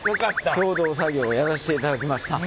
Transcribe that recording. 共同作業をやらせていただきました。